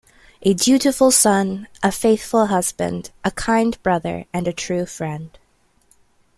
A dutiful son, a faithful husband, a kind brother, and a true friend.